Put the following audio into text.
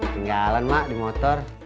tinggalan mak di motor